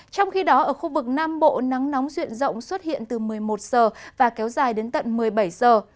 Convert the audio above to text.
trong khi đó ở khu vực nam bộ nắng nóng duyện rộng xuất hiện từ một mươi một giờ và kéo dài đến tận một mươi bảy giờ